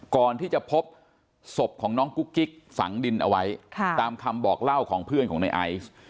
ก่อนที่จะพบศพของน้องกุ๊กกิ๊กฝังดินเอาไว้ตามคำบอกเล่าของเพื่อนของในไอซ์